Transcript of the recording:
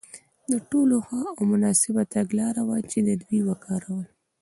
دا تر ټولو ښه او مناسبه تګلاره وه چې دوی وکارول.